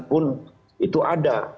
pun itu ada